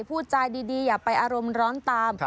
พูดจาดีอย่าไปอารมณ์ร้อนตาม